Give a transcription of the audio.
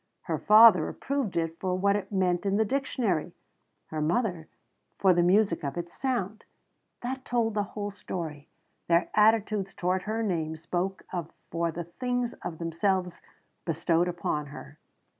Her father approved it for what it meant in the dictionary; her mother for the music of its sound. That told the whole story; their attitudes toward her name spoke for the things of themselves bestowed upon her.